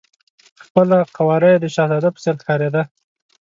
خپله قواره یې د شهزاده په څېر ښکارېده.